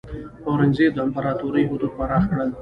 اورنګزیب د امپراتورۍ حدود پراخ کړل.